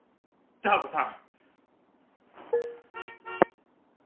ダー子さん。